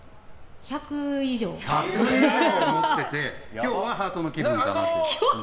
１００以上持ってて今日はハートの気分かなと。